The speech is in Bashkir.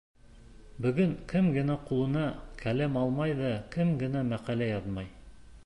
Бөгөн кем генә ҡулына ҡәләм алмай ҙа кем генә мәҡәлә яҙмай.